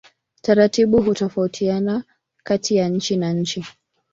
Taratibu hutofautiana kati ya nchi na nchi.